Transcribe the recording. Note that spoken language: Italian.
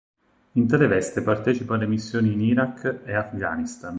In tale veste partecipa alle missioni in Iraq e Afghanistan.